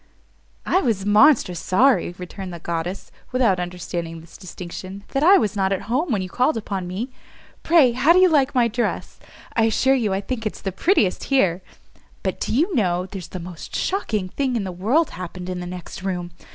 "I was monstrous sorry," returned the goddess, without understanding this distinction, "that I was not at home when you called upon me. Pray, how do you like my dress? I assure you I think it's the prettiest here. But do you know there's the most shocking thing in the world happened in the next room!